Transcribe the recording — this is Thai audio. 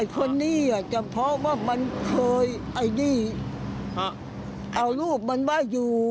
ทำประหารได้